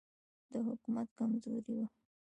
د حکومت کمزوري وه.